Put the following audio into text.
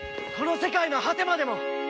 この世界の果てまでも！